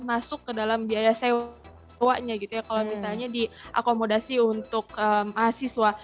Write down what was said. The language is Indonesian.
masuk ke dalam biaya sewanya gitu ya kalau misalnya diakomodasi untuk mahasiswa